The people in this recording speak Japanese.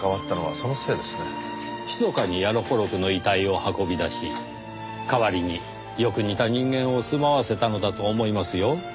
ひそかにヤロポロクの遺体を運び出し代わりによく似た人間を住まわせたのだと思いますよ。